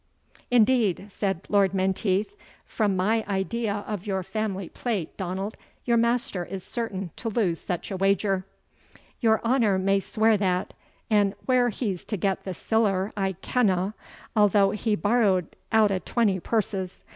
"Indeed," said Lord Menteith, "from my idea of your family plate, Donald, your master is certain to lose such a wager." "Your honour may swear that; an' where he's to get the siller I kenna, although he borrowed out o' twenty purses.